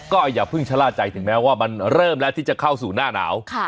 ก็อย่าเพิ่งชะล่าใจถึงแม้ว่ามันเริ่มแล้วที่จะเข้าสู่หน้าหนาว